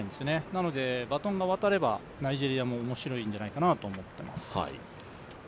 なので、バトンが渡ればナイジェリアも面白いんじゃないかなと思ってます。